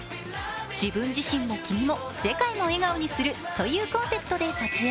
自分自身も君も世界も笑顔にするというコンセプトで撮影。